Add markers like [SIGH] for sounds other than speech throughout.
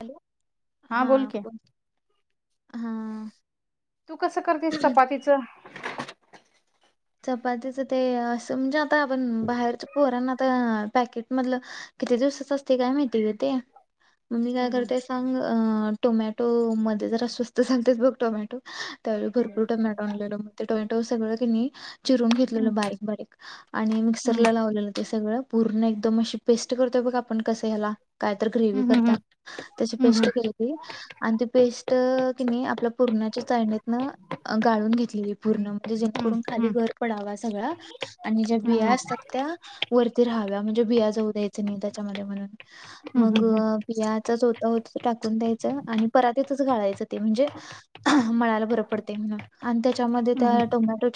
Hello बोल हा. की हा. तू कसं करतेस चपातीचं. चपातीचं ते असं म्हणजे आता आपण बाहेर पोहरांना आता पॅकेट मधलं किती दिवसाच असते काय माहिती का ते? मग मी काय करतेय सांग अ टोमॅटो मध्ये जरा स्वस्त चालतेच बघ टोमॅटो. त्यावेळी हम्म भरपूर टोमॅटो आणलेल मग ते टोमॅटो सगळंकणी चिरून हम्म घेतलेलं बारीक बारीक आणि हम्म मिक्सरला लावलेलं ते सगळं पूर्ण एकदम अशी पेस्ट करतोय बघा आपण कसं ह्याला काय तर ग्रेवी हम्म करता त्याची पेस्ट हम्म केलेली आणि ती पेस्ट तिने आपल्या पूरण्याच्या चाळणीतन गाळून घेतलेली पूर्ण म्हणजे हम्म जेणेकरून खाली हम्म घर पडावा सगळा आणि ज्या बिया हम्म असतात त्या वरती राहाव्या म्हणजे बिया जाऊ द्यायचं नाही त्याच्यामध्ये म्हणून हम्म मग हम्म बियाचाच होत होत टाकून द्यायचं आणि परातीतच घालायचं ते म्हणजे मळाला बर पडते म्हणून आणि त्याच्यामध्ये त्या टोमॅटो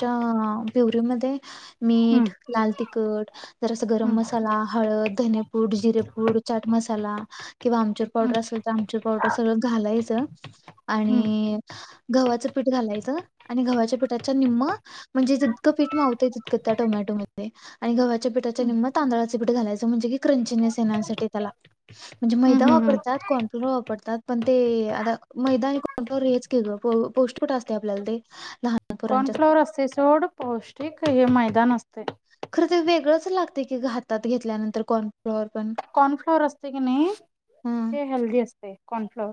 पिवररीमध्ये मीठ, हम्म लाल तिखट, जर अस गरम मसाला, हळद, धनेपूड, जिरेपूड, चाट मसाला किंवा आमचूर पावडर असल तर आमचूर पावडर सगळं घालायचं हम्म आणि गव्हाचं पीठ घालायचं आणि गव्हाच्या पीठाच्या निम्म म्हणजे जितकं पीठ मावते तितकं त्या टोमॅटो मध्ये आणि गव्हाच्या पीठाच्या निम्म तांदळाच पीठ घालायचं, म्हणजे की क्रंचनेस येण्यासाठी त्याला म्हणजे हम्म मैदा हम्म वापरतात, कॉर्नफ्लोर वापरतात, पण ते आता मैदा आणि कॉर्नफ्लॉर हेच पौष्टपट असते आपल्याला ते लहान कोण पोरांच्यासाठी फ्लवर अस चड पौष्टिक हे मैदा नसते. खरं तर वेगळंच लागते की हातात घेतल्यानंतर कोण कॉर्नफ्लॉवर असते की नाही हा ते हेल्दी असते. ते कॉर्नफ्लॉवर.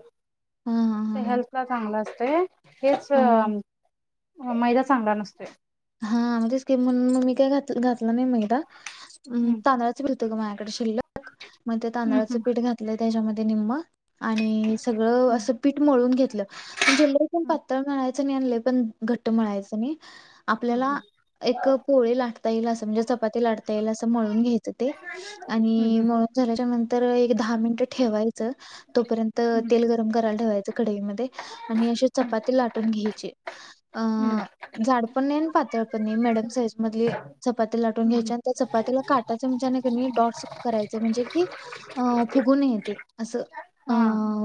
हा हा हा ते हा हेल्थ ला चांगला असत. ते हेच. हम्म मैदा चांगला नसतो. हा म्हणजे स्कीम म्हणून मग मी काय घात घातलं नाही मैदा हम्म तांदराच [INAUDIBLE] तर शिल्लक मग ते तांदळाचं पीठ घातले त्याच्यामध्ये निम्म. आणि सगळं असं पीठ मळून घेतलं म्हणजे लय पण पातळ मळायच नाही आणि लय पण घट्ट मळायच नाही. आपल्याला एक पोळे लाटता येईल अस म्हणजे चपाती. लाटता येईल मळून घ्यायचं ते आणि तर त्याच्या नंतर एक दहा मिनिटं ठेवायचं तोपर्यंत तेल गरम करायला ठेवायचं कढई मध्ये आणि अशी चपाती लाटून घ्यायची अह्ह जाड पण पण नाही आणि पातळ पण नाही मीडियम साईज मधली चपाती लाटून घ्यायची आणि त्या चपातीला काटा चमच्यान कणी डॉट्स करायचं. म्हणजे की फुगुन येते. असं हा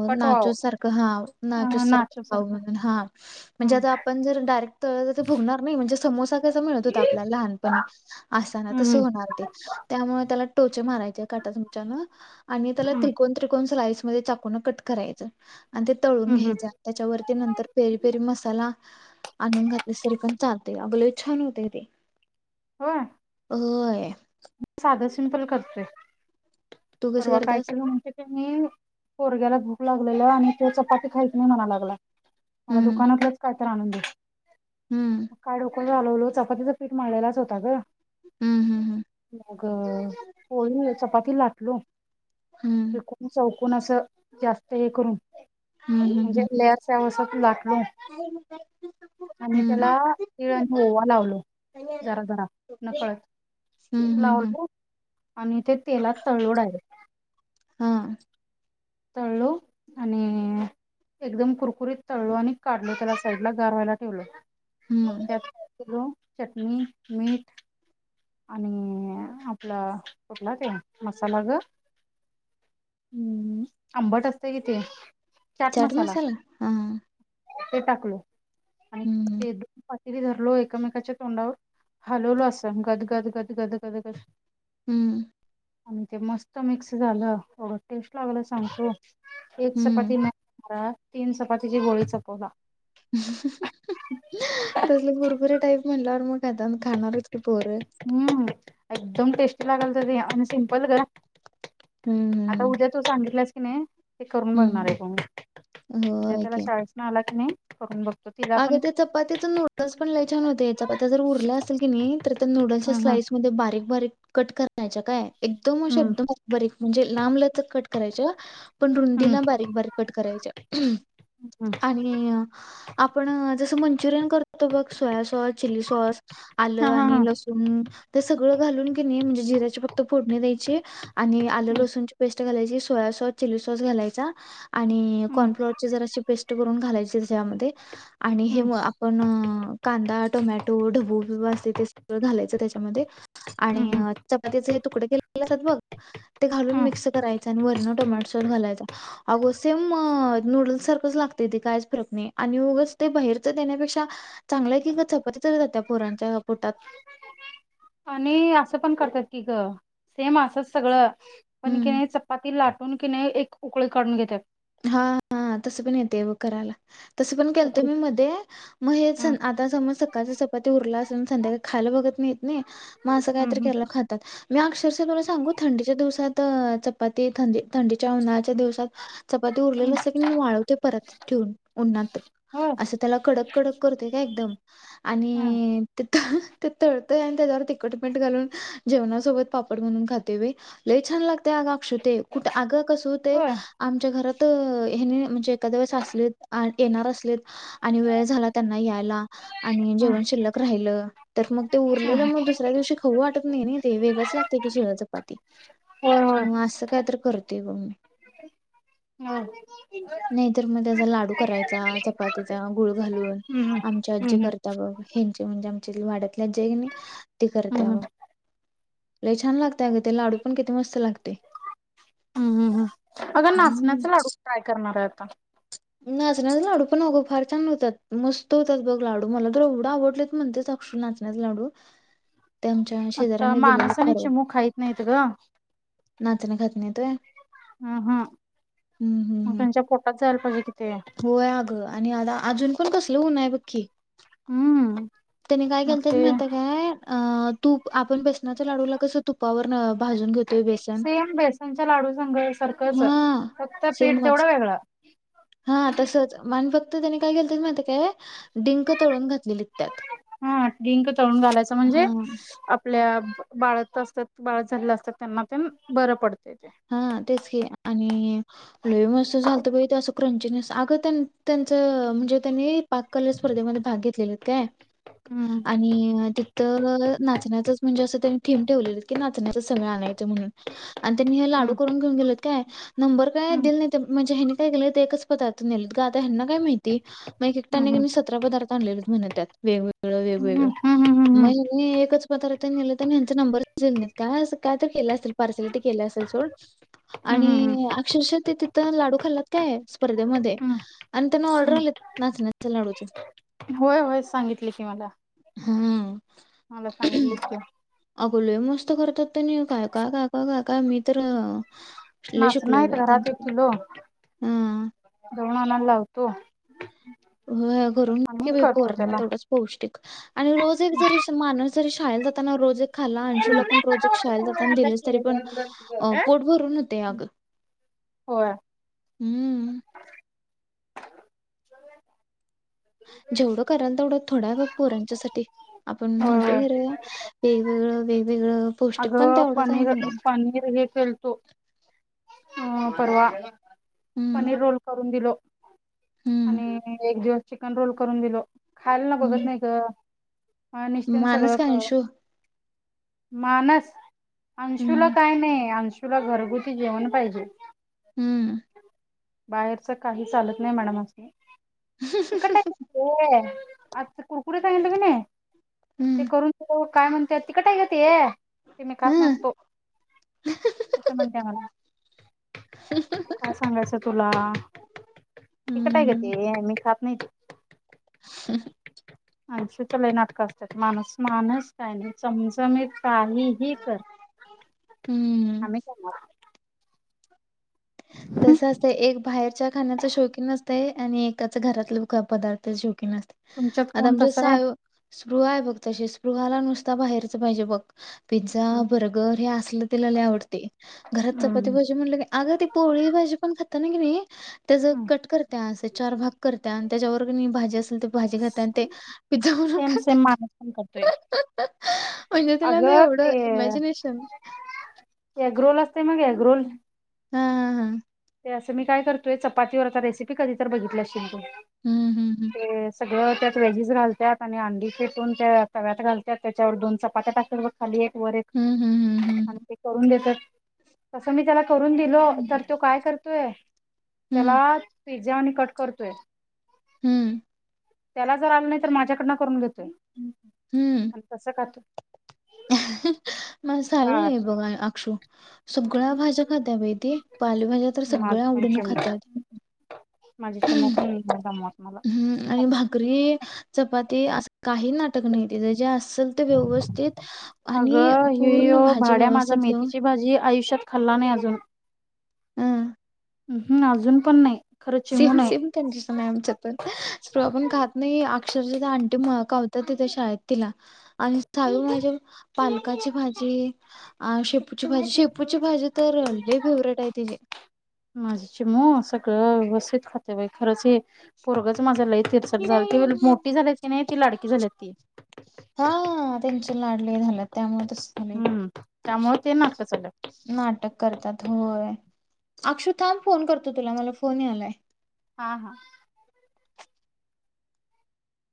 कटवाव नाजूक सारखं हा नाजूक सारखं म्हणजे आता आपण जर डायरेक्ट तळल तर फुगणार नाही, म्हणजे समोसा त हो कस मिळत होत, आपल्याला लहानपणी असा ना हम्म तस हम्म होणार ते त्यामुळे त्याला टोचे मारायचे. काटा चमच्यान आणि त्याला हम्म त्रिकोण त्रिकोन स्लाइस, म पूर्ण कट करायच आणि ते तळून हम्म हम्म घ्यायच, त्याच्यावरती नंतर पेरी पेरी मसाला आणून घातली तरी पण चालते अग लय छान होते ते. होय! होय. आणि खपतय [UNINTELLIGIBLE] तू कसं परवा काय करत्यास केलो माहिती आहे का मी पोरग्याला भूक लागलेली आणि तो चपाती खायत नाही म्हणायला लागला. मला हम्म दुकानातलच काय कायतरी आणून दे हम्म चालवलो चपातीचं पीठ मळलेलाच होता ग! हम्म हम्म मग पोळी चपाती लाट हम्म [UNINTELLIGIBLE] पण असं जास्त हे करून. हम्म म्हणजे हम्म लेअस अस लाख आणि त्याला तिळ आणि ओवा लावलो जरा जरा नकळत हम्म हम्म लावलो. आणि ते तेलात. तळलो डायरेक्ट हा तळलो आणि एकदम कुरकुरीत तळलो आणि काढलो त्याला साईडला गार व्हायला ठेवलं. म हम्म चटणी मीठ आणि आपला कुठला ते मसाला गम् आंबट असत कि ते. चट मसाला हा. ते टाकल. आणि हम्म ते द तिघी धरलो एककामेकाच्या तोंडावर हलवलो असं गद गद गद गद गद गद. हम्म. आणि ते मस्त मिक्स झालं एवढं टेस्ट लागल. सांगतो. एक हम्म चपाती म तीन चपातीची गोळी संपवला. तसले भरपुऱे टाईप म्हणल्यावर मगं. खाताना खाणारच की पोर. हम्म एकदम टेस्टी लागल तर ते आणि सिम्पल गं. आता हम्म उद्या तो सांगितला. नाही. ते करून बघणार हम्म आहे ते मी हम्म उद्या त्याला शाळेस न आलात की नाही करून बघ. अग त्या चपात्याच नूडल्स पण लय छान होते चपात्या जर उरल्या असेल की नाही तर त्या नूडल्सच्या हम्म स्लाईसमध्येध्ये बारीक बारीक. कट करण्यायच्या काय. एकदम अशा हम्म एकदम अ बारीक म्हणजे लांबलचक कट करायच्या. पण हम्म रुंदीला बारीक बारीक कट करायच्या हम्म आणि आपण जसं मंचुरियन करतो बघ सोया सॉस चिली सॉस, हा आलं हा आणि हा लसूण. ते सगळं घालून क नई म्हणजे जिरा्याची फक्त फोडणी द्यायची आणि आल हम्म लसूणची पेस्ट घालायची. सोया सॉस, चिली सॉस घालायचा. आणि हम्म कॉर्नफ्लॉवर ची जरा अशी पेस्ट करून घालायची त्यामध्ये. [UNINTELLIGIBLE] आणि हे हम्म म आपण अं कांदा टोमॅटो ढबू बिबू असतंय ते सगळं घालायचं त्याच्यामध्ये. हम्म आणि हम्म चपातीचं. तुकडे केलेले असतात बघ ते घालून हम्म मिक्स करायचं आणि वरणं टोमॅटो सॉस घालायचा. आगं सेम नूडल्स सारखंच लागतय ते कायच फरक नाही. आणि उगच ते बाहेरचं देण्यापेक्षा चांगलं आहे की ग चपाती तर जात्या पोरांच्या पोटात. आणि असं पण करतात की गं सेम असंच सगळं. पण की हं. नाही चपाती लाटून. कि नाय एक उकळी काढून घेत्यात. हा हा तसं पण येतंय बघ करायला. तसं पण केलतं उकळी मी मध्ये मग हे हम्म आता समज सकाळच्या चपाती उरलं असं कोण संध्याकाळी खायला‌‌ बघत नाही. नाही मग असं हम्म काहीतरी हम्म केल्यावर खातात. मी अक्षरशः तुला सांगू थंडीच्या दिवसात चपाती थंडी थंडीच्या उन्हाळच्या दिवसात चपाती उरलेली हम्म असलं की मी वाळवते परत ठेऊन उन्हात होय असं त्याला कडक कडक करते काय एकदम हम्म आणि ते ते तळतंय आणि त्याच्यावर तिखट मीठ घालून जेवणासोबत पापड म्हणून खाते मी लय छान लागते अगं आक्षे ते कुठं आगं कसं होय होतंय घरात ह्यानी म्हणजे एखाद्या वेळेस असले येणार असलेत आणि वेळ झाला त्यांना यायला आणि हम्म. जेवण शिल्लक राहिलं तर मग ते उरलेलं हम्म. मग दुसऱ्या दिवशी खाऊ वाटत नाही ते वेगळंच लागते की शिळं चपाती होय होय होय. मग आसं कायतर करते बघ मी हम् नाही तर म त्याचा लाडू करायचा चपातीचा गुळ घालून हम्म आमची आजी हम्म करत्या बघ ह्यांची म्हणजे आमच्या वाड्यात आजी आहे की नाय ती करत्या हम्म बघ लय छान लागतय अगं ते लाडू पण ते मस्त लागते हम् हम् हम अगं हम्म. नाचण्याचा लाडू ट्राय करणार आहेत का नाचण्याचे लाडू पण अगं फार छान होतात मस्त होतात बघ लाडू मला तर एवढं आवडलेत म्हणते अक्षु नाचण्याचे लाडू ते आमच्या आता शेजाऱ्यांनी दिलेले माणसाने परवा चिमु खायत नाहीत गं नाहीेत व्हय हम् हम मग त्यांच्या पोटात चचाल पा क हो ग आणि आता अजून पण कस सलूून आहे पकीी हम्म त्याने काय मग केलते ते माहित काय तू आपण बेस् लाडूला कस तुपवर आप भाजून घेतोय बेसन सेम बेसनच्या लाडू संग सारखंच. हा फक्त पीठ सेमच तेवढं वेगळं. हा तसच फक्त त्याने काय केलं माहिती काय डिंक तळून घातलेली त्यात हा िंक तळून घालायच म्हणजे हा आपल्या बाळत असतात बाळत झालेलं असतात त्यांना पण बरं पडतं. हा तेच कि आणि लई मस्त झालथ बाई ते असं क्रंचीनेस अगं त्यां त्यांच म्हणजे त्यांनी पाक कल स्पर्धेमध्ये भाग घेतलेले आहेत काय हम्म आणि तिथ ना नाचण्याचं असं त्यांनी थीम ठेवली आहे की नाचण्याच सगळं आणायचं म्हणून आण त्यांनी हे लाडू हम्म करून घेऊन गेलेत काय नंबर काय हम्म दिल नही तर म्हणजे काय केलं ते एकच पदार्थ नेलेत ग आता ह्यांना काय माहिती मग एकट्याने हम्म कि नाही सतरा पदार्थ म्हणलेलंच म्हण त्यात वेगवेगळ वेगवेगळ हम्म हम्म मय हम्म मी एकच पदार्थ नेलता. यांचा नंबरच झाल नाही. अस का केलं असेल पार्सल ते केल असेल सोड हम्म आणि अक्षरशः ते तिथ लाडू खाल्लात काय स्पर्धेमध्ये हम्म आणि त्यांना ऑर्डर हम्म आलेत नाचण्याच्या लाडूचे. होय होय सांगितले की मला. हम्म मला सांगितलेच की अहो लय मस्त करतात ते काय काय काय काय मी तर लय नाचणी शिकलोय आहे बाई घरात एक त्यांच्याकडून किलो हा दळून आणयला लावतो. हो करून आणि घे बाई करतो पोरांना त्याला तेवढंच पौष्टिक. आणि रोज एक जरी श माणूस जरी शाळेत जाताना रोज एक खाला अंशूला पण रोज एक शाळेला जातना दिलेस तरी पण पोट भरून होते अग. होय हम्म जेवढं करा तेवढं थोडा बघ पोरांच्या साठी आपण होय होय म्हणतय खर वेगवेगळं वेगवेगळं अग पौष्टिक पण तेवढंच आहे पनीर मी पनीर हे केलतो हम्म परवा. हम्म पनीर रोल करून दिलो. हम्म आणि एक दिव चिकन रोल करून दिलो. खायला ना बघत हम्म नाही ग. हा निसतेन सगळं माणूस काय क अंशू मानस अंशूला हम्म काय नाही अंशू तुला घरगुती जेवण पाहिजे. हम्म बाहेरचं काही चालत नाही मॅडम असं - हम्म हह हह हह अ [UNINTELLIGIBLE] कुरकुर सगलं की नाही ते हम्म करून काय म्हण त्यात तिखट आहे ते ते मी खात हम्म नसतो असं म्हणते मला काय सांगायचं तुला तिखट आहे ग हम्म ते मी खात नाही. आह् अंशू ची लई नाटकं असतात माणस माणस काय नाही [UNINTELLIGIBLE] समी काहीही कर हम्म आम्ही करणार तस असतं एक बाहेरच्या खाण्याच शौकीन असतं आणि एकाच घरातलं पदार्थ शौकीन असते. तुमच्यात कोण तस आहे स्पृह आहे बघ तसे स्पृहाला नुसता बाहेरचं पाहिजे बघ पिझ्झा, बर्गर हे असलं तिलाला आवडते घरात चपाती भाजी म्हणलं की अग ती पोळी भाजी पण खाताना की नाही त्या ज कट करत्या असे चार भाग करत्या आणि त्याच्यावर भाजी असेल तर भाजी खाते ते पिझ्झा वून सेम खात सेम माणूस पण करतोय म्हणजे तिला नाही अगं एवढ ते इमॅजिनेशन ते मग एग रोल ह, ह, ह ते असं मी काय करतोय चपातीवर आता रेसिपी कधी तर बघितली असशेल तो हम्म हम्म हम्म सगळं त्यात वेहेजेस घालतात आणि अंडी फेटून त्या तव्यात घालतात त्याच्यावर दोन चपात्या टाकत ब खाली वरे हम्म हम्म हम्म हम्म आणि हम्म ते करून देतात. तसं मी त्याला करून दिलो तर तो काय करतोय त्याला हम्म पिझ्झा आणि कट करतोय हम्म त्याला जर आलं नाही तर माझ्याकडनं करून घेतोय. आणि तसं खातो. हा हा मस् आल नाही बघाय आक्षू सगळ्या भाज्या खातात बाहि ते पालेभाज्या तर माझ सगळ्या पण आवडीने चिमू खात्यात. माझी चिमू पण दमवत हम् मला आणि भाकरी चपाती अस काही नाट टक नाही तीच जे असत व्यवस्थित आणि अगं हियो पूर्ण भाजी भाड्या माझा व्यवस्थित लाऊन मेथीची भाजी आयुष्यात खाल्ला नाही अजून हम्म अजून पण नाही खरं चिमू सेम नाही सेम कंडिशन आहे आमच्या पण स्टॉ आपण खहात नाही अक्षरश आणंटी मुळ त शाळेत तिला आणि साू म्हणजे पालकाची भाजी शेपूची भाजी शेपूची भाजी तर लय फेवरेट आहे ति माझी चिमू व्यवस्थित खाते बाई खरंच हे परगंच माझा लई तिरसट झालं त मोठी झाली ती नाही ती लाडकी झाली ती हा त्यांचे लाडले झाल्या त्या मुळ हम्म [UNINTELLIGIBLE] त्यामुळे ते नाटकं चालुयेत नाटक करतात होय अक्षु थांब फोन करतो तुला मला फोन यालाय हा हा.